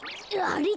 あれ？